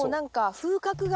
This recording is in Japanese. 風格が。